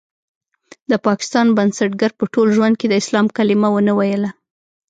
د پاکستان بنسټګر په ټول ژوند کې د اسلام کلمه ونه ويله.